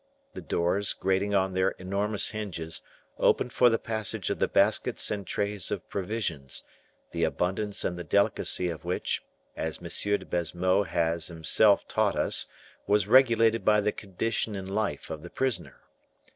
The doors, grating on their enormous hinges, opened for the passage of the baskets and trays of provisions, the abundance and the delicacy of which, as M. de Baisemeaux has himself taught us, was regulated by the condition in life of the prisoner.